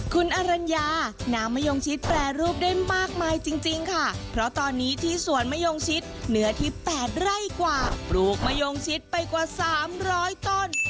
คุณอรัญญาน้ำมะยงชิดแปรรูปได้มากมายจริงค่ะเพราะตอนนี้ที่สวนมะยงชิดเนื้อที่๘ไร่กว่าปลูกมะยงชิดไปกว่า๓๐๐ต้น